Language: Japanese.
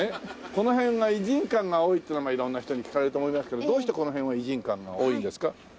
この辺は異人館が多いっていうのは色んな人に聞かれると思いますけどどうしてこの辺は異人館が多いんですか？